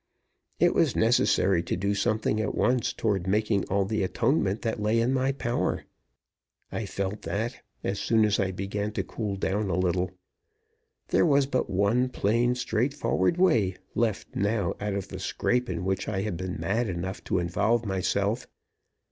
It was necessary to do something at once toward making all the atonement that lay in my power. I felt that, as soon as I began to cool down a little. There was but one plain, straight forward way left now out of the scrape in which I had been mad enough to involve myself.